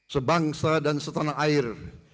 sebangsa dan setanah air